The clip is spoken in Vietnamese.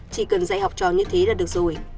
chỉ cần dạy học trò như thế là được rồi